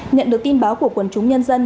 nhận được tin báo của quần chúng nhân dân